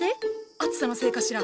暑さのせいかしら。